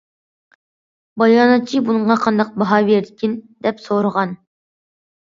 باياناتچى بۇنىڭغا قانداق باھا بېرىدىكىن؟ دەپ سورىغان.